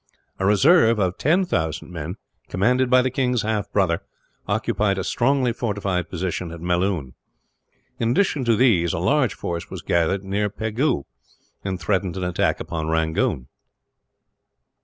A reserve of 10,000 men, commanded by the king's half brother, occupied a strongly fortified post at Melloon. In addition to these, a large force was gathered near Pegu, and threatened an attack upon Rangoon.